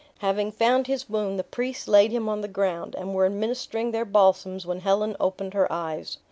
Having found his wound, the priests laid him on the ground; and were administering their balsams, when Helen opened her eyes.